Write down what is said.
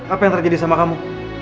apa yang terjadi sama kamu